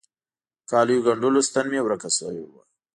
کاليو ګنډلو ستن مي ورکه سوي وه.